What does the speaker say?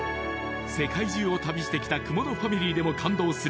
世界中を旅してきた雲野ファミリーでも感動する